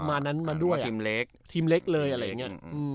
มานั้นมาด้วยทีมเล็กทีมเล็กเลยอะไรอย่างนี้